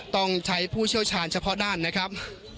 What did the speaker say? ต้องใช้ผู้เชี่ยวชาญเฉพาะด้านนะครับ